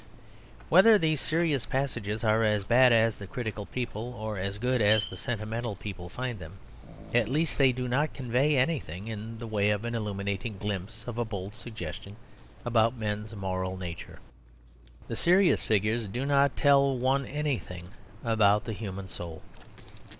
Whether these serious passages are as bad as the critical people or as good as the sentimental people find them, at least they do not convey anything in the way of an illuminating glimpse or a bold suggestion about men's moral nature. The serious figures do not tell one anything about the human soul.